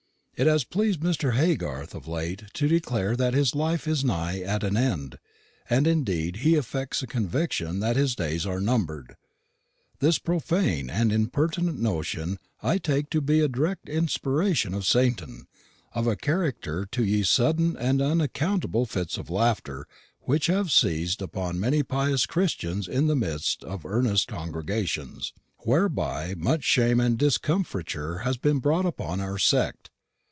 It has pleased Mr. Haygarthe of late to declare that his life is nigh at an end; and indeed he affects a conviction that his days are number'd. This profane and impertinent notion I take to be a direct inspiration of Satan, of a like character to ye sudden and unaccountable fitts of laughter which have seized upon many pious Christians in the midst of earnest congregations; whereby much shame and discomfiture has been brought upon our sect.